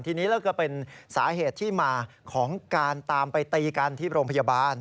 ทีนี้แล้วก็เป็นสาเหตุที่มาของการตามไปตีกันที่โรงพยาบาล